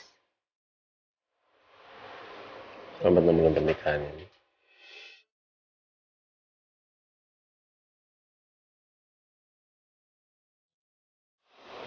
selamat enam bulan pernikahan ya